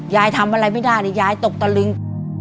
ยายทำอะไรไม่ได้นี่ยายตกตะลึง